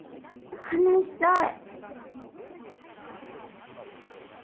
話したい。